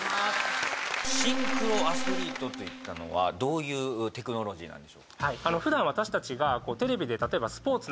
シンクロアスリートといったのはどういうテクノロジーなんでしょうか？